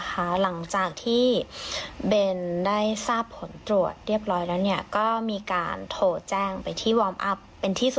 พอเธอติดต่อทางวอร์มอัพไป